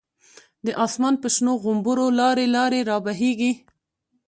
د آسمان په شنو غومبرو، لاری لاری را بهیږی